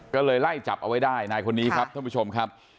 ก็เลยไล่จับเอาไว้ได้นายคนนี้ครับท่านผู้ชมครับ